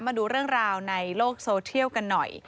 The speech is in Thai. มาดูเรื่องราวในโลกโซเทียลกันหน่อย